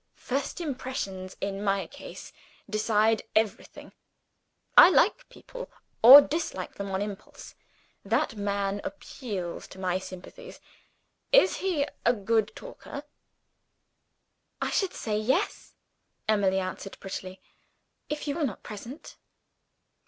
"First impressions, in my case, decide everything; I like people or dislike them on impulse. That man appeals to my sympathies. Is he a good talker?" "I should say Yes," Emily answered prettily, "if you were not present."